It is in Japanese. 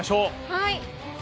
はい。